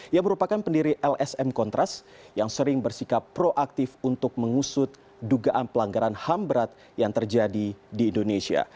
ia merupakan pendiri lsm kontras yang sering bersikap proaktif untuk mengusut dugaan pelanggaran ham berat yang terjadi di indonesia